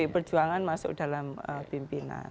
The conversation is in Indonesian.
jadi perjuangan masuk dalam pimpinan